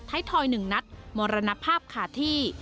ทอย๑นัดมรณภาพขาดที่